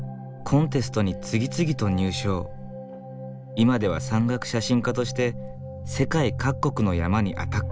今では山岳写真家として世界各国の山にアタック。